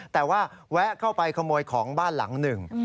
แต่ว่าแวะเข้าไปขโมยของบ้านหลังหนึ่ง